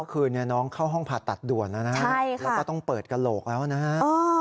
คืนนี้น้องเข้าห้องผ่าตัดด่วนแล้วนะฮะแล้วก็ต้องเปิดกระโหลกแล้วนะฮะ